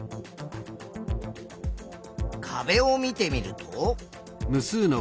壁を見てみると。